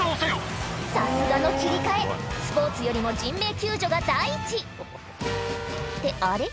・さすがの切り替えスポーツよりも人命救助が第一ってあれ？